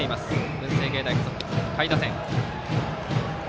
文星芸大付属の下位打線。